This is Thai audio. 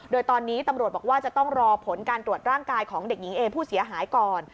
โดยตอนนี้ตำรวจบอกว่าจะต้องรอผลการตรวจร่างกายของเด็กหญิงเอผู้เสียหายก่อน